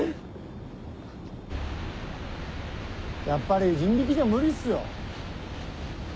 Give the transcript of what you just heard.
やっぱり人力じゃ無理っすよ。